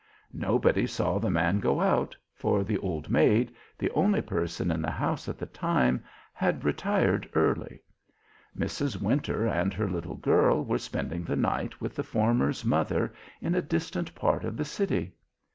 Nobody saw the man go out, for the old maid, the only person in the house at the time, had retired early. Mrs. Winter and her little girl were spending the night with the former's mother in a distant part of the city.